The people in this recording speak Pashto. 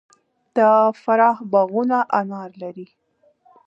د فراه باغونه انار لري.